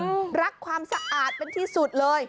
แถมชอบอาบน้ำอ่ะรักความสะอาดเป็นที่สุดเลย